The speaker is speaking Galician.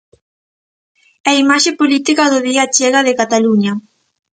E a imaxe política do día chega de Cataluña.